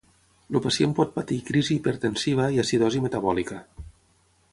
El pacient pot patir crisi hipertensiva i acidosi metabòlica.